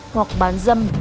hoặc bán dâm